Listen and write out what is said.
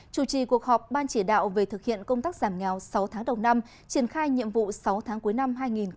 chủ trì cuộc họp ban chỉ đạo về thực hiện công tác giảm nghèo sáu tháng đầu năm triển khai nhiệm vụ sáu tháng cuối năm hai nghìn hai mươi